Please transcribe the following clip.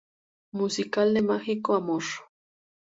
Musical De Mágico Amor.